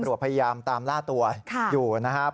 พยายามตามล่าตัวอยู่นะครับ